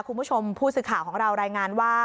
คุณผู้ชมผู้สื่อข่าวของเรารายงานว่า